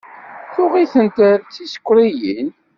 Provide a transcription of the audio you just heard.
Tuɣ-itent d tiɛsekriyin.